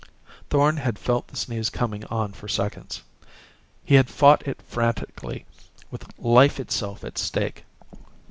Thorn had felt the sneeze coming on for seconds. He had fought it frantically, with life itself at stake.